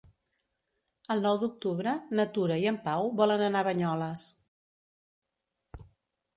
El nou d'octubre na Tura i en Pau volen anar a Banyoles.